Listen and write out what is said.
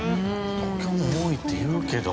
東京も多いっていうけど。